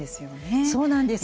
そうなんです。